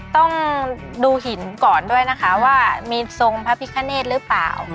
ต้องดูหินก่อนด้วยนะคะว่ามีทรงพระพิคเนธหรือเปล่า